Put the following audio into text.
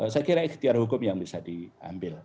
saya kira ikhtiar hukum yang bisa diambil